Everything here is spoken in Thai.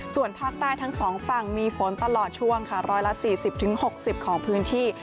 ส่วนภาคใต้ทั้งสองฝั่งมีฝนตลอดช่วงค่ะ๑๔๐๖๐ของพื้นที่